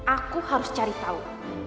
aku harus cari tahu